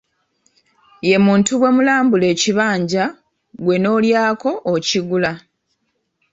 Ye muntu bwe mwalambula ekibanja ggwe n'olyoka okigula.